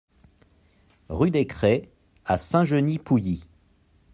Rue des Crêts à Saint-Genis-Pouilly